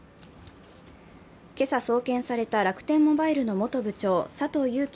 今朝送検された楽天モバイルの元部長佐藤友紀